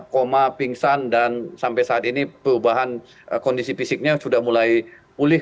koma pingsan dan sampai saat ini perubahan kondisi fisiknya sudah mulai pulih